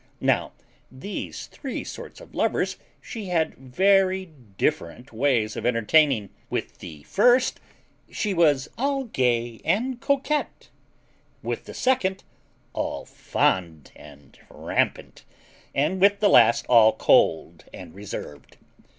Now, these three sorts of lovers she had very different ways of entertaining. With the first she was all gay and coquette; with the second all fond and rampant; and with the last all cold and reserved.